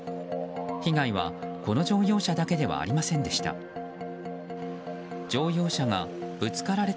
被害は、この乗用車だけではありませんでした。